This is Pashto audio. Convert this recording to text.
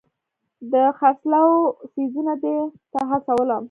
د خرڅلاو څیزونه دې ته هڅولم.